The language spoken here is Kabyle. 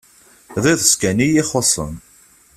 D iḍes kan iyi-ixuṣṣen.